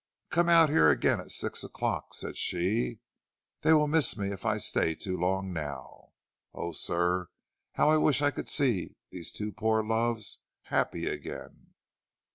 "Come out here again at six o'clock," said she; "they will miss me if I stay too long now. Oh, sir, how I wish I could see those two poor loves happy again!"